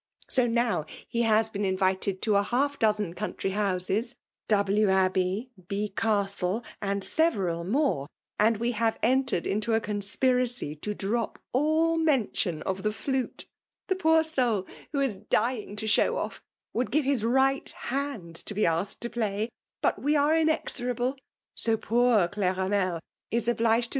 So now he has been invited to half a dozen country houses, W — Abbey, B — Castle, and several more ; and we have entered into a con spiracy to drop all mention of the flute. The poor soul, who is dying to show ofi*, would give his right hand to be asked to play; but we are inexorable: — so poor Cleramel is obliged to i2 172 PEMALB DOMINATION.